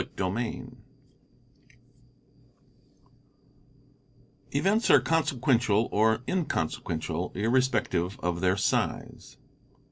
CHAPTER III Events, are consequential or inconsequential irrespective of their size.